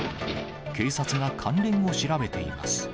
警察が関連を調べています。